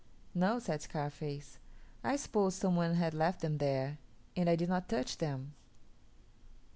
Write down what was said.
"No," said Scarface; "I supposed some one had left them there, and I did not touch them."